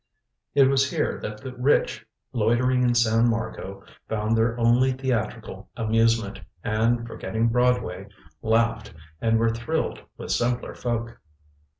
It was here that the rich loitering in San Marco found their only theatrical amusement, and forgetting Broadway, laughed and were thrilled with simpler folk.